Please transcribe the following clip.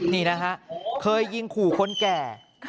นี่นะฮะเคยยิงขู่คนแก่